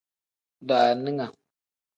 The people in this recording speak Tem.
Daaninga.